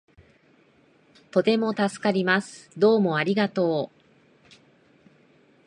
とても助かります。どうもありがとう